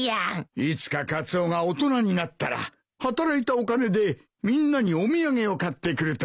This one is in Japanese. いつかカツオが大人になったら働いたお金でみんなにお土産を買ってくるといい。